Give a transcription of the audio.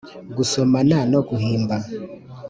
gusomana no guhimba